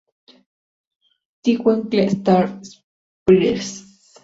Twinkle Star Sprites